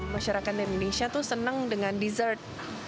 masyarakat di indonesia tuh senang dengan dessert